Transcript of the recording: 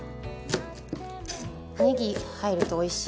ネギ入るとおいしい。